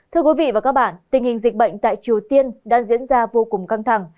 thưa quý vị và các bạn tình hình dịch bệnh tại triều tiên đã diễn ra vô cùng căng thẳng